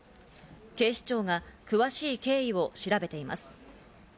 警視庁が詳しい経緯を調べています。